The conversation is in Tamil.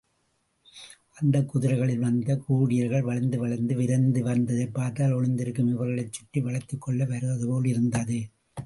அந்தக் குதிரைகளிலே வந்த கூர்டியர்கள் வளைந்து வளைந்து விரைந்து வந்ததைப் பார்த்தால், ஒளிந்திருக்கும் இவர்களைச் சுற்றி வளைத்துக்கொள்ள வருவதுபோலிருந்தது.